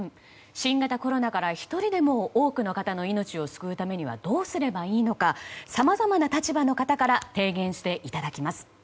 新型コロナから１人でも多くの方の命を救うためにはどうすればいいのかさまざまな立場の方から提言していただきます。